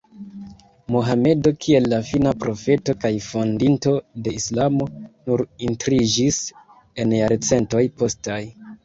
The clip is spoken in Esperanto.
Mohamedo kiel la fina profeto kaj fondinto de islamo nur montriĝis en jarcentoj postaj.